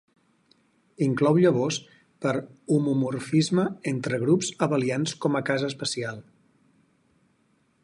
Inclou llavors per homomorfisme entre grups abelians com a cas especial.